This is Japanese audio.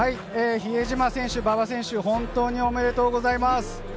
比江島選手、馬場選手、本当におめでとうございます。